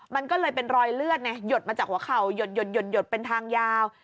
มันก็เลยเป็นรอยเลือดไงหยดมาจากหัวเข่าหยดเป็นทางยาว